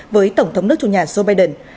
với tổng thống nước chủ nhà joe biden